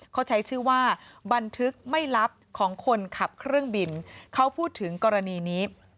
เขาใช้ชื่อว่าบันทึกไม่ลับของคนขับเครื่องบินเขาพูดถึงกรณีนี้